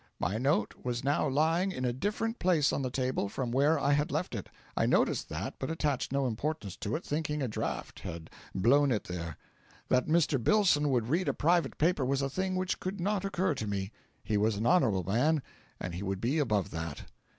My note was now lying in a different place on the table from where I had left it. I noticed that, but attached no importance to it, thinking a draught had blown it there. That Mr. Billson would read a private paper was a thing which could not occur to me; he was an honourable man, and he would be above that.